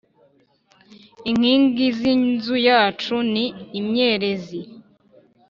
Inkingi z’inzu yacu ni imyerezi